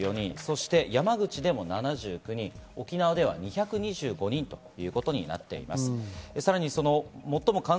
山口でも７９人、沖縄では２２５人ということになっています。